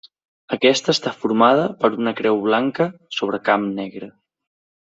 Aquesta està formada per una creu blanca sobre camp negre.